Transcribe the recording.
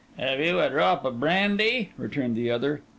'Have you a drop of brandy?' returned the other.